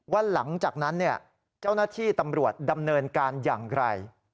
ว่าหลังจากนั้นเจ้าหน้าที่ตำรวจดำเนินการอย่างไร